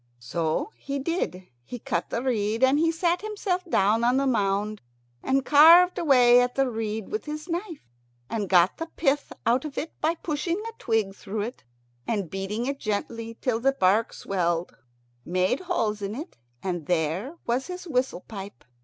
So he did. He cut the reed, and sat himself down on the mound, and carved away at the reed with his knife, and got the pith out of it by pushing a twig through it, and beating it gently till the bark swelled, made holes in it, and there was his whistle pipe.